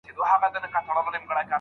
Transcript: املا د وړتیاوو لوړولو وسیله ده.